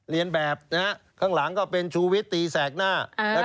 เรียนแบบข้างหลังก็เป็นชูวิตตีแสกหน้า